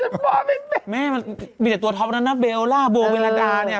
แม่เหมือนมีแต่ตัวท็อปอันนานนาเบลล่าโบเวลาท์เนี่ย